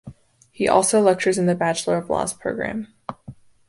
He also lectures in the Bachelor of Laws program.